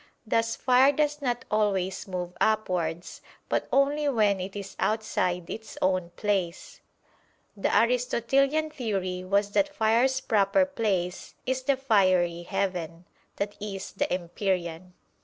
Thus fire does not always move upwards, but only when it is outside its own place. [*The Aristotelian theory was that fire's proper place is the fiery heaven, i.e. the Empyrean.